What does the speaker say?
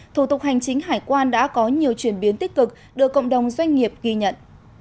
thủ tục hành chính hải quan đã có nhiều chuyển biến tích cực được cộng đồng doanh nghiệp ghi nhận